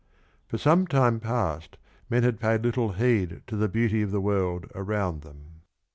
For some time past men had paid little heed to the beauty of the world around them.